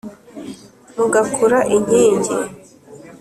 mugakura inkingi